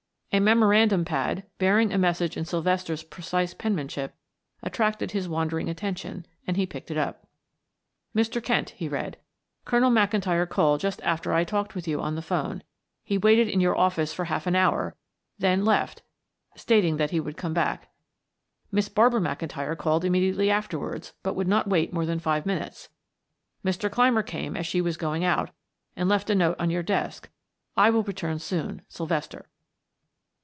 A memorandum pad, bearing a message in Sylvester's precise penmanship attracted his wandering attention and he picked it up. "Mr. Kent:" he read. "Colonel McIntyre called just after I talked with you on the 'phone; he waited in your office for half an hour, then left, stating he would come back. Miss Barbara McIntyre called immediately afterwards, but would not wait more than five minutes. Mr. Clymer came as she was going out and left a note on your desk. I will return soon. "SYLVESTER."